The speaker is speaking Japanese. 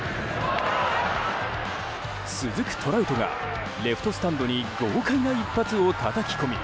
続くトラウトがレフトスタンドに豪快な一発をたたき込み